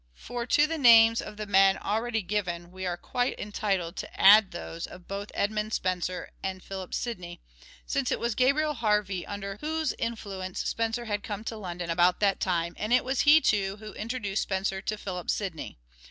For to the names of the men already given we are quite entitled to add those of 328 " SHAKESPEARE " IDENTIFIED both Edmund Spenser and Philip Sidney ; since it was Gabriel Harvey under whose influence Spenser had come to London about that time, and it was he, too, who introduced Spenser to Philip Sidney.